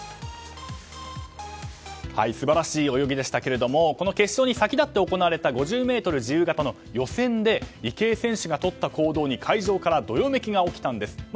素晴らしい泳ぎでしたけれどもこの決勝に先立って行われた５０ｍ自由形の予選で池江選手がとった行動に会場からどよめきが起きたんです。